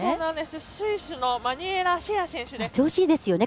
スイスのマヌエラ・シェア選手です。